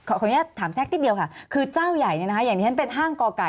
ขออนุญาตถามแทรกนิดเดียวค่ะคือเจ้าใหญ่เนี่ยนะคะอย่างที่ฉันเป็นห้างกอไก่